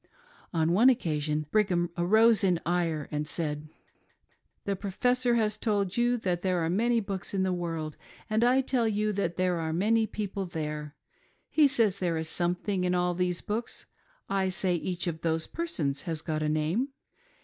On one occasion, Brigham arose in ire, and said :" The Professor has told you that there are many books in the world, and I tell you that there are many people there. He says there is something in all these books ; I say each of those persons has got a name.